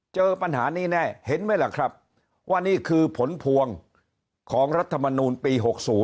เจอปัญหานี้แน่เห็นไหมล่ะครับว่านี่คือผลพวงของรัฐมนูลปี๖๐